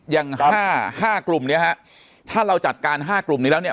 ยังห้าห้ากลุ่มเนี้ยฮะถ้าเราจัดการห้ากลุ่มนี้แล้วเนี้ย